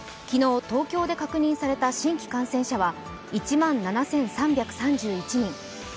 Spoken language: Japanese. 昨日、東京で確認された新規感染者は１万７３３１人。